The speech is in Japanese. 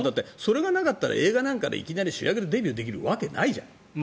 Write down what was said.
それがなかったら映画なんかでいきなり主役でデビューできるわけないじゃん。